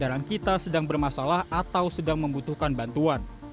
jika pengendaraan kita sedang bermasalah atau sedang membutuhkan bantuan